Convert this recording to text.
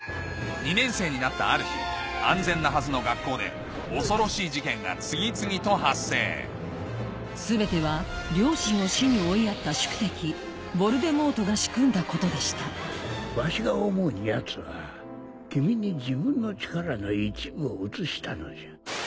２年生になったある日安全なはずの学校で恐ろしい事件が次々と発生全ては両親を死に追いやった宿敵ヴォルデモートが仕組んだことでしたわしが思うにヤツは君に自分の力の一部を移したのじゃ。